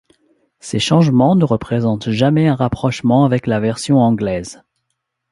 Ces changements ne représentent jamais un rapprochement avec la version anglaise.